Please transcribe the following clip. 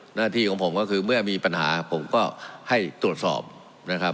หน้าที่ของผมก็คือเมื่อมีปัญหาผมก็ให้ตรวจสอบนะครับ